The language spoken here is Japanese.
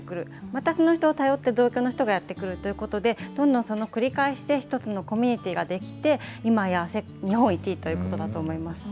またその人を頼って同郷の人がやって来るということで、どんどんその繰り返しで、１つのコミュニティーが出来て、今や日本１位ということだと思います。